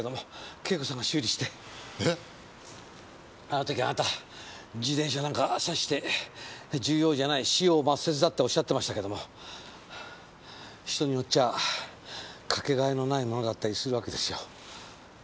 あの時あなた自転車なんかさして重要じゃない枝葉末節だっておっしゃってましたけども人によっちゃかけがえのないものだったりするわけですよ。